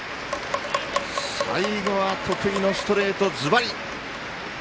最後は得意のストレート、ずばり。